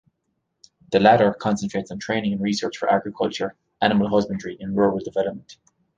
The latter concentrates on training and research for agriculture, animal husbandry and rural development.